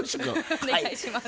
お願いします。